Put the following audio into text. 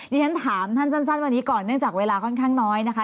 ที่ฉันถามท่านสั้นวันนี้ก่อนเนื่องจากเวลาค่อนข้างน้อยนะคะ